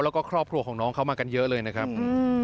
แล้วก็ครอบครัวของน้องเขามากันเยอะเลยนะครับ